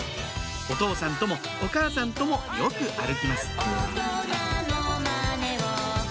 お父さんともお母さんともよく歩きます